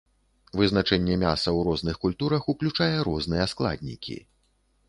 Вызначэнне мяса ў розных культурах уключае розныя складнікі.